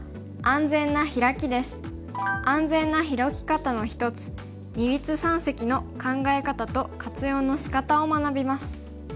安全なヒラキ方の一つ二立三析の考え方と活用のしかたを学びます。